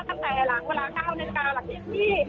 ตั้งแต่หลังเวลาเข้าในกาลัคเทียมนี่